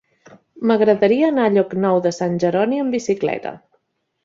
M'agradaria anar a Llocnou de Sant Jeroni amb bicicleta.